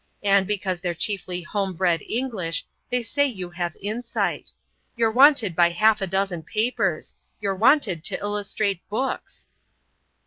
And, because they're chiefly home bred English, they say you have insight. You're wanted by half a dozen papers; you're wanted to illustrate books."